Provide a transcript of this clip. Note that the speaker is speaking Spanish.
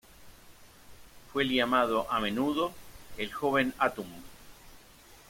Fue llamado a menudo "el joven Atum".